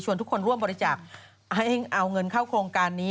ทุกคนร่วมบริจาคให้เอาเงินเข้าโครงการนี้